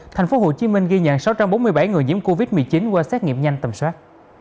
thành phố hồ chí minh ghi nhận sáu trăm bốn mươi bảy người nhiễm covid một mươi chín qua xét nghiệm nhanh tầm soát